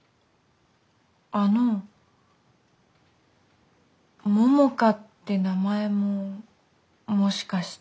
あのももかって名前ももしかして。